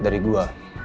lo harus ngajak gue